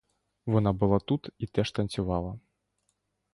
Вона була тут і теж танцювала.